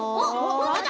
ほんとだ